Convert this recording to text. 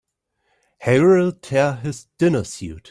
Harry'll tear his dinner suit.